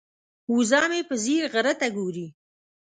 وزه مې په ځیر غره ته ګوري.